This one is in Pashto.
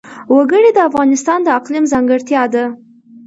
وګړي د افغانستان د اقلیم ځانګړتیا ده.